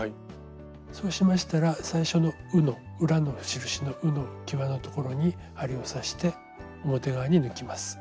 そうしましたら最初の「う」の裏の印のうのきわのところに針を刺して表側に抜きます。